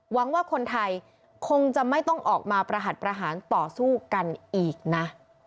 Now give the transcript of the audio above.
ว่าคนไทยคงจะไม่ต้องออกมาประหัสประหารต่อสู้กันอีกนะ